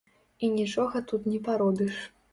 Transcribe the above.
І нічога тут не паробіш.